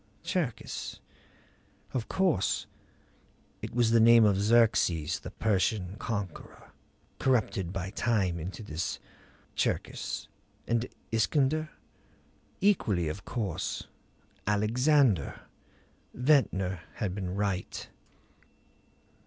Cherkis? Of course it was the name of Xerxes, the Persian Conqueror, corrupted by time into this Cherkis. And Iskander? Equally, of course Alexander. Ventnor had been right.